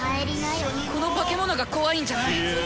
この化け物が怖いんじゃない。